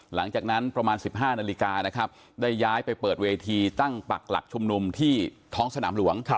หลังจากนั้นประมาณ๑๕นาฬิกานะครับได้ย้ายไปเปิดเวทีตั้งปักหลักชุมนุมที่ท้องสนามหลวง